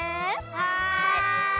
はい！